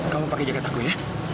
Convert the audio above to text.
kamu pakai jaket aku ya